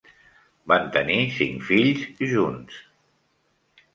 Van tenir cinc fills junts.